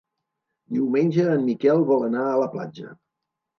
Diumenge en Miquel vol anar a la platja.